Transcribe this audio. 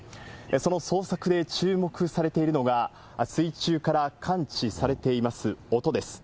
その捜索で注目されているのが、水中から感知されています音です。